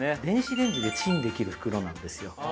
電子レンジでチンできる袋なんですよ